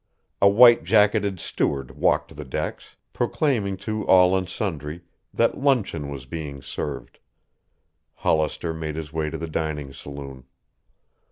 A white jacketed steward walked the decks, proclaiming to all and sundry that luncheon was being served. Hollister made his way to the dining saloon.